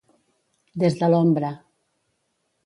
Des de l'ombra.